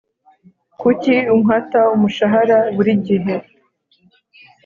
kuki unkata umushahara buri gihe